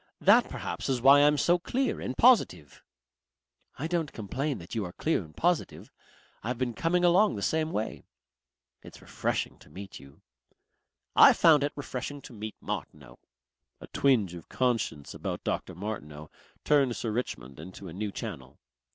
That perhaps is why I'm so clear and positive." "I don't complain that you are clear and positive. I've been coming along the same way.... It's refreshing to meet you." "I found it refreshing to meet Martineau." A twinge of conscience about Dr. Martineau turned Sir Richmond into a new channel.